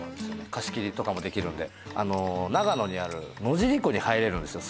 貸し切りとかもできるんで長野にある野尻湖に入れるんですよ